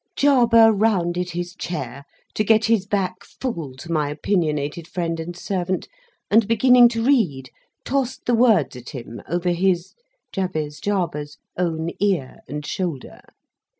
Jarber rounded his chair, to get his back full to my opinionated friend and servant, and, beginning to read, tossed the words at him over his (Jabez Jarber's) own ear and shoulder.